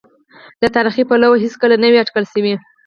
له تاریخي پلوه هېڅکله نه وې اټکل شوې.